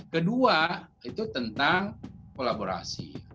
kedua itu tentang kolaborasi